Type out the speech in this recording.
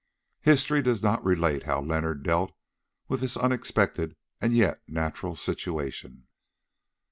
History does not relate how Leonard dealt with this unexpected and yet natural situation.